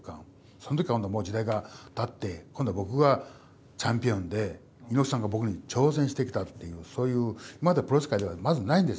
その時はもう時代がたって今度はぼくがチャンピオンで猪木さんがぼくに挑戦してきたっていうそういう今までプロレス界ではまずないんですよね。